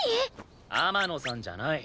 天野さんじゃない。